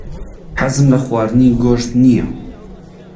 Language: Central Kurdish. حەزم لە خواردنی گۆشت نییە.